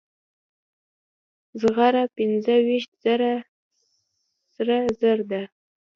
زغره پنځه ویشت زره سره زر ده.